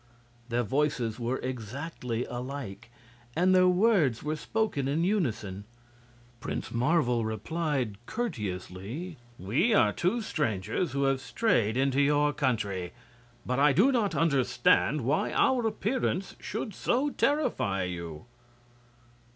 Their voices were exactly alike, and their words were spoken in unison. Prince Marvel replied, courteously: "We are two strangers who have strayed into your country. But I do not understand why our appearance should so terrify you."